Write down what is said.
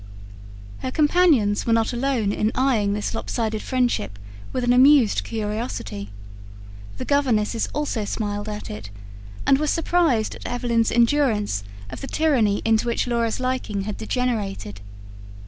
Her companions were not alone in eyeing this lopsided friendship with an amused curiosity. The governesses also smiled at it, and were surprised at Evelyn's endurance of the tyranny into which Laura's liking had degenerated.